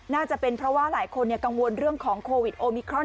น่าจะเป็นเพราะว่าหลายคนกังวลเรื่องของโควิดโอมิครอน